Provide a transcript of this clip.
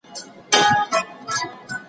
له کلي و تښته، له نرخه ئې نه.